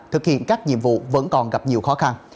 thực hiện các nhiệm vụ vẫn còn gặp nhiều khó khăn